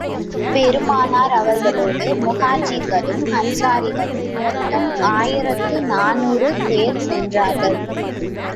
பெருமானார் அவர்களோடு முஹாஜிர்களும், அன்ஸாரிகளும் மொத்தம் ஆயிரத்து நானூறு பேர் சென்றார்கள்.